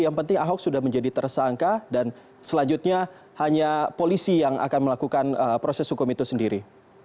yang penting ahok sudah menjadi tersangka dan selanjutnya hanya polisi yang akan melakukan proses hukum itu sendiri